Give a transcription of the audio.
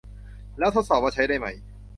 แล้วทดสอบว่าใช้ได้ไหม